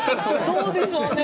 どうでしょうね。